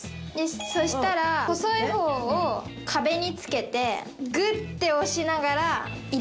そしたら細い方を壁に付けてグッて押しながら入れます。